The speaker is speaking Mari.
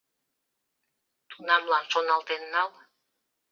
Тунамлан шоналтен нал.